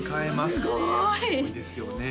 すごいですよね